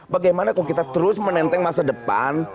bagaimana kalau kita terus menenteng masa depan